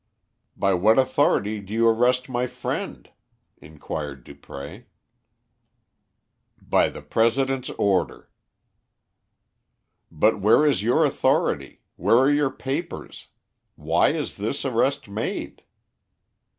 "By what authority do you arrest my friend?" inquired Dupré. "By the President's order." "But where is your authority? Where are your papers? Why is this arrest made?"